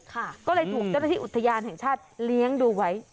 ก็เลยถูกเจ้าหน้าที่อุทยานแห่งชาติเลี้ยงดูไว้